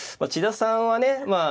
千田さんはね